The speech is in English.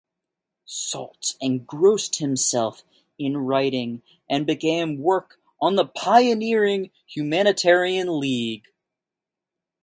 Salt engrossed himself in writing and began work on the pioneering Humanitarian League.